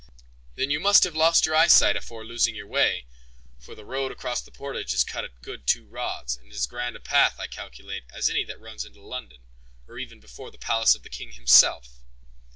"Then you must have lost your eyesight afore losing your way, for the road across the portage is cut to a good two rods, and is as grand a path, I calculate, as any that runs into London, or even before the palace of the king himself."